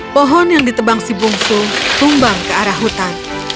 pohon yang ditebang si bungsu tumbang ke arah hutan